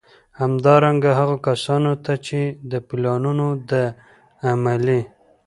همدارنګه، هغو کسانو ته چي د پلانونو د عملي